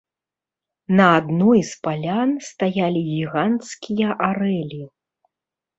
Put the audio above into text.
На адной з палян стаялі гіганцкія арэлі.